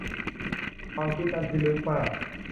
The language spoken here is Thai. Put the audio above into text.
ความคิดนั้นพิลึกมาก